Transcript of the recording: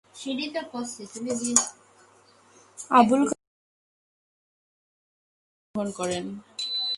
আবুল কালাম মনজুর মোরশেদ রাজশাহীতে জন্মগ্রহণ করেন।